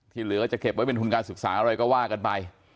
เหลือจะเก็บไว้เป็นทุนการศึกษาอะไรก็ว่ากันไป